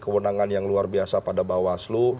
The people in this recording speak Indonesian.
kewenangan yang luar biasa pada bawaslu